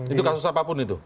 itu kasus apapun itu